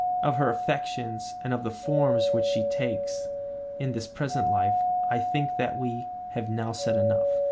Of her affections and of the forms which she takes in this present life I think that we have now said enough.